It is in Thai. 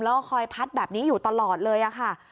แล้วก็คอยพัดแบบนี้อยู่ตลอดเลยค่ะ